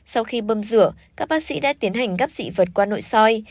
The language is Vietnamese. sau khi bơm rửa các bác sĩ đã tiến hành gắp dị vật qua nội soi